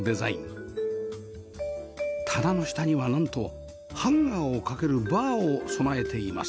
棚の下にはなんとハンガーを掛けるバーを備えています